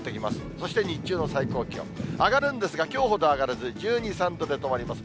そして日中の最高気温、上がるんですが、きょうほどは上がらず１２、３度で止まります。